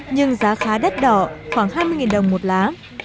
nhưng giá khá đắt đỏ khoảng hai mươi đồng một lá